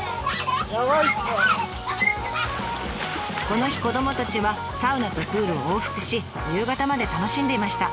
この日子どもたちはサウナとプールを往復し夕方まで楽しんでいました。